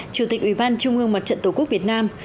chủ tịch ủy ban trung ương mặt trận tổ quốc việt nam